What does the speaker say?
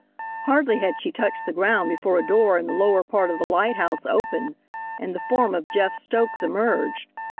Hardly had she touched the ground before a door in the lower part of the lighthouse opened and the form of Jeff Stokes emerged.